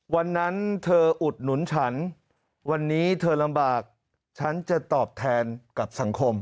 วันนั้นเธออุดหนุนฉันวันนี้เธอลำบากฉันจะตอบแทนกับสังคม